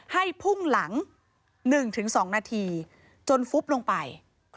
ให้พุ่งหลัง๑๒นาทีจนฟุบลงไป